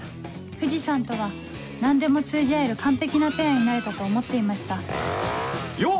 藤さんとは何でも通じ合える完璧なペアになれたと思っていましたよっ！